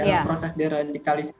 untuk pembinaan kembali